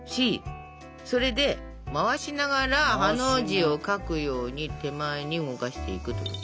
それで回しながらハの字を書くように手前に動かしていくと。